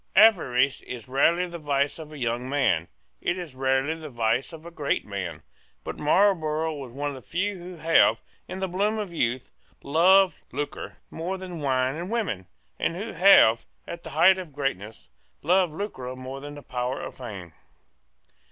Avarice is rarely the vice of a young man: it is rarely the vice of a great man: but Marlborough was one of the few who have, in the bloom of youth, loved lucre more than wine or women, and who have, at the height of greatness, loved lucre more than power or fame.